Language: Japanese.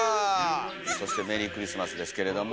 そしてメリークリスマスですけれども。